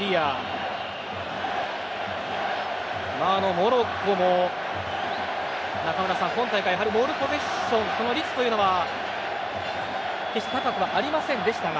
モロッコも中村さん、今大会ボールポゼッションの率というのは決して高くありませんでしたが。